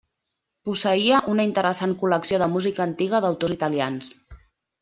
Posseïa una interessant col·lecció de música antiga d'autors italians.